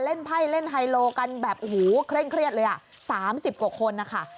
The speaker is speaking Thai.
เล่นไพ่เล่นไฮโลกันแบบหูเคร่งเครียดเลยสามสิบกว่าคนค่ะ